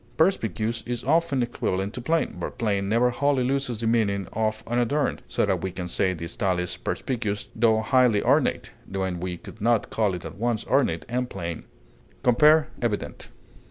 Perspicuous is often equivalent to plain, but plain never wholly loses the meaning of unadorned, so that we can say the style is perspicuous tho highly ornate, when we could not call it at once ornate and plain. Compare EVIDENT.